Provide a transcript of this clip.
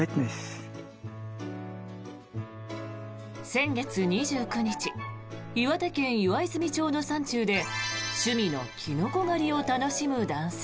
先月２９日岩手県岩泉町の山中で趣味のキノコ狩りを楽しむ男性。